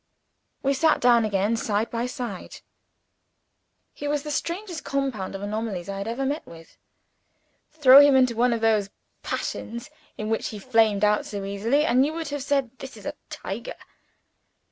We sat down again, side by side. He was the strangest compound of anomalies I had ever met with. Throw him into one of those passions in which he flamed out so easily and you would have said, This is a tiger.